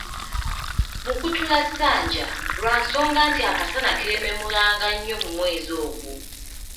Mukutulasanja, lwa nsonga nti akasana keememulanga nnyo mu mwezi ogwo.